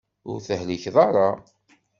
Ur tehlikeḍ ara.